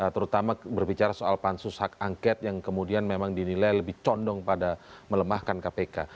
terutama berbicara soal pansus hak angket yang kemudian memang dinilai lebih condong pada melemahkan kpk